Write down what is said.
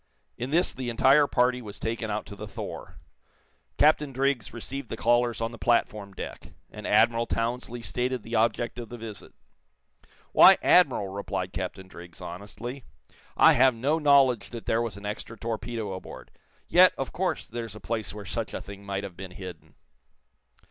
In this the entire party was taken out to the "Thor." Captain Driggs received the callers on the platform deck, and Admiral Townsley stated the object of the visit. "Why, Admiral," replied Captain Driggs, honestly, "I have no knowledge that there was an extra torpedo aboard. Yet, of course, there's a place where such a thing might have been hidden."